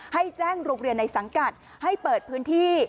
ให้แจ้งโรงเรียนในสังกัดให้เปิดพื้นที่